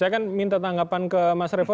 saya kan minta tanggapan ke mas revo